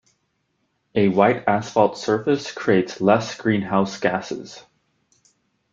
A white asphalt surface creates less greenhouse gases.